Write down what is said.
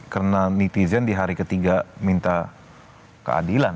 karena netizen di hari ketiga minta keadilan